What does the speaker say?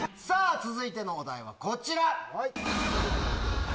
さあ、続いてのお題はこちら。